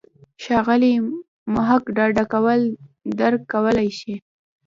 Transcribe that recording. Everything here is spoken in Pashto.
ښاغلی محق ډډه کول درک کولای شي.